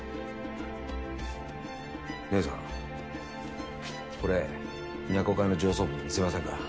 姐さんこれ若琥会の上層部に見せませんか？